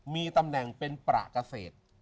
มีตำแหน่งเป็นประเกษตร